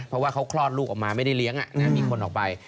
เพราะว่าเขาคลอดลูกออกมาไม่ได้เลี้ยงมีคนออกไป